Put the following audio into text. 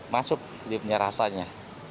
masuk lebih punya rasanya